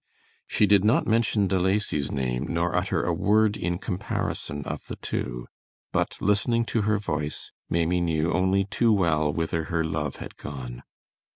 She did not mention De Lacy's name nor utter a word in comparison of the two, but listening to her voice, Maimie knew only too well whither her love had gone.